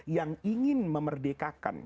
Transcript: yang ingin memerdekakan